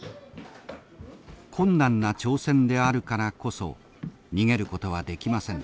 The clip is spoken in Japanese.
困難な挑戦であるからこそ逃げることはできませんでした。